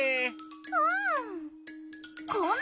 うん！